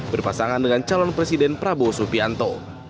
berpasangan dengan calon presiden prabowo subianto